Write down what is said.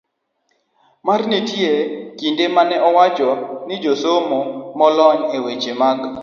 D. mar Nitie kinde ma ne owach ni josomo molony e weche mag